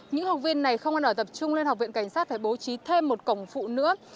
những học viên này không ăn ở tập trung lên học viện cảnh sát phải bố trí thêm một cổng phụ nữa